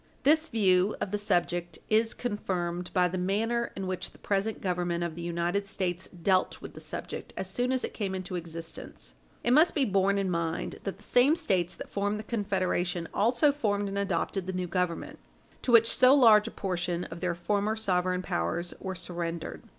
This view of the subject is confirmed by the manner in which the present Government of the United States dealt with the subject as soon as it came into existence. It must be borne in mind that the same States that formed the Confederation also formed and adopted the new Government, to which so large a portion of their former sovereign powers were surrendered.